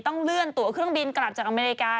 ต้องเลื่อนตัวเครื่องบินกลับจากอเมริกา